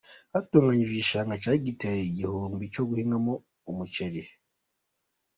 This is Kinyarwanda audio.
Hatunganijwe igishanga cya hegitari ighumbi cyo guhingamo umuceri